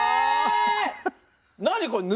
何これ布？